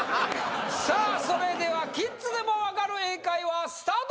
さあそれではキッズでもわかる英会話スタート！